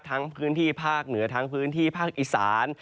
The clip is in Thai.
พื้นที่ภาคเหนือทั้งพื้นที่ภาคอีสาน